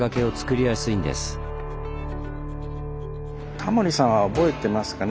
タモリさんは覚えてますかね？